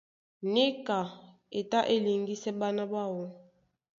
Níka e tá e liŋgisɛ ɓána ɓáō.